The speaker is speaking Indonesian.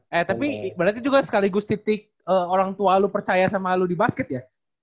eh tapi berarti juga sekaligus titik orang tua lo percaya sama lo di basket ya